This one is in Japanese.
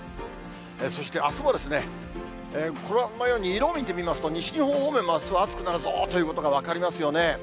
そしてあすもご覧のように、色を見てみますと、西日本方面もあす、暑くなるぞということが分かりますよね。